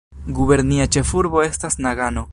Gubernia ĉefurbo estas Nagano.